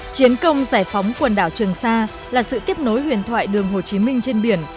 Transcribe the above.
chiến công giải phóng quần đảo trường sa là sự tiếp nối huyền thoại đường hồ chí minh trên biển